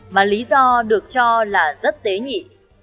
mà lý do được cho là rất tế nhị